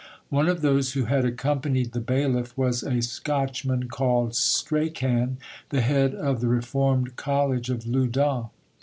One of those who had accompanied the bailiff was a Scotchman called Stracan, the head of the Reformed College of Loudun.